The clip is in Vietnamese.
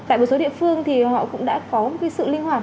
tại một số địa phương thì họ cũng đã có một sự linh hoạt